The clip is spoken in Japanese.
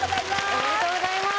おめでとうございます。